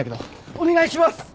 お願いします。